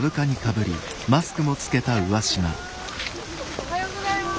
おはようございます。